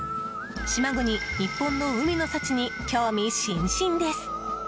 島国・日本の海の幸に興味津々です。